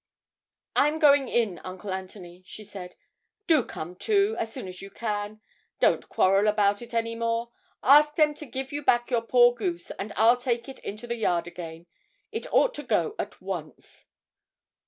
'I'm going in, Uncle Anthony,' she said; 'do come, too, as soon as you can; don't quarrel about it any more ask them to give you back the poor goose, and I'll take it into the yard again; it ought to go at once.'